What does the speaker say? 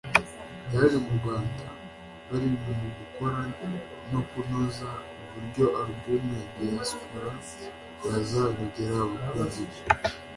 yaje mu Rwanda bari mu gukora no kunoza neza uburyo Album ya “Diaspora” yazanogera abakunzi be